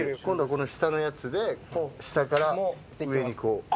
今度はこの下のやつで下から上にこう。